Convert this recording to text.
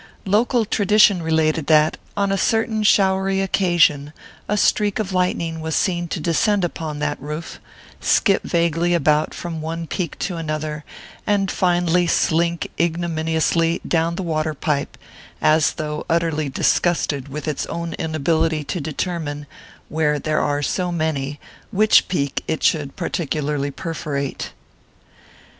Local tradition related that, on a certain showery occasion, a streak of lightning was seen to descend upon that roof, skip vaguely about from one peak to another, and finally slink ignominiously down the water pipe, as though utterly disgusted with its own inability to determine, where there are so many, which peak it should particularly perforate.